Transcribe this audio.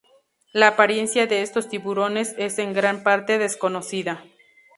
La apariencia de estos tiburones es en gran parte desconocida.